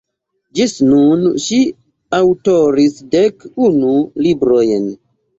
Ĝis nun ŝi aŭtoris dek unu librojn.